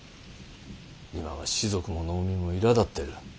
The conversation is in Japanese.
今は士族も農民もいらだってる。